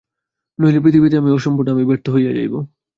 নইলে পৃথিবীতে আমি অসম্পূর্ণ, আমি ব্যর্থ হইয়া যাইব।